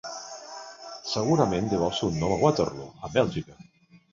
Segurament deu el seu nom a Waterloo, a Bèlgica.